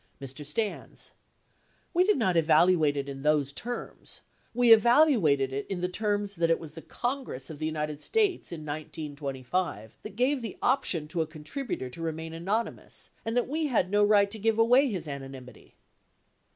Mr. Stans. We did not evaluate it in those terms. We evalu ated it in the terms that it was the Congress of the United States in 1925 that gave the option to a contributor to re main anonymous and that we had no right to give away his anonymity.